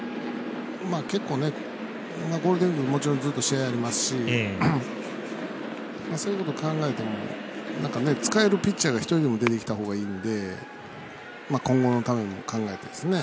結構、ゴールデンウイークずっと試合ありますしそういうこと考えても使えるピッチャーが１人でも出てきたほうがいいんで今後のためにも考えてですね。